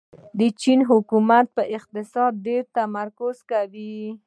د چین حکومت په اقتصاد ډېر تمرکز کوي.